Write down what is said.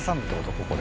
ここで。